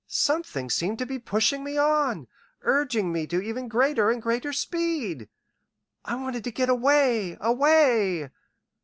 Something seemed to be pushing me on, urging me to even greater and greater speed. I wanted to get away, away